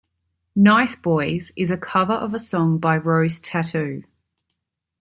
"Nice Boys" is a cover of a song by Rose Tattoo.